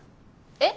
えっ？